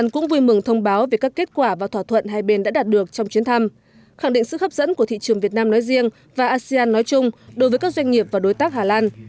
các kết quả và thỏa thuận hai bên đã đạt được trong chuyến thăm khẳng định sức hấp dẫn của thị trường việt nam nói riêng và asean nói chung đối với các doanh nghiệp và đối tác hà lan